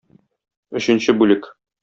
Өченче бүлек.